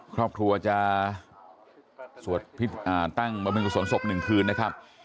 ครอบครัวจะสวดพิษตั้งบริเวณกุศลศพหนึ่งคืนนะครับ